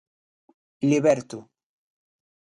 Liberto.